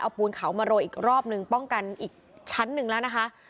เอาปูนเขามาโรยอีกรอบนึงป้องกันอีกชั้นหนึ่งแล้วนะคะ